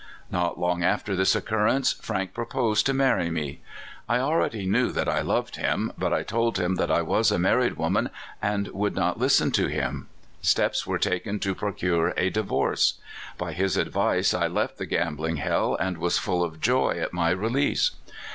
" Not long after this occurrence, Frank proposed to marry me. I already knew that I loved him, but I told him that I was a married woman, and could not listen to him. Steps were taken to pro cure a divorce. By his advice I left the gambling hell, and was full of joy at my release.